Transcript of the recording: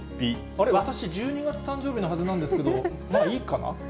あれ、私、１２月誕生日のはずなんですけど、まあ、いいかな。